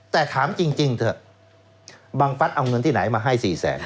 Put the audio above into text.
แต่ถามจริงเถอะบังฟัสเอาเงินที่ไหนมาให้๔แสน